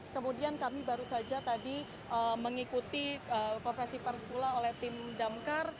kemudian kami baru saja tadi mengikuti konferensi pers pula oleh tim damkar